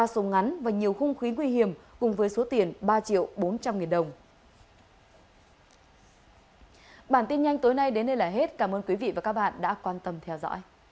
ba súng ngắn và nhiều khung khí nguy hiểm cùng với số tiền ba triệu bốn trăm linh nghìn đồng